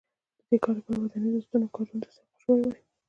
د دې کار لپاره ودانیزو ستنو کارونو ته سوق شوي وای